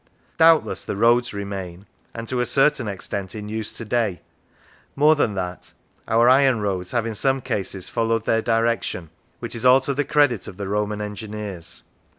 Doubtless the roads remain, and are to a certain extent in use to day; more than that, our iron roads have in some cases followed their direction, which is all to the credit of the Roman engineers.